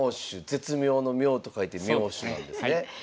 絶妙の妙と書いて妙手なんですね。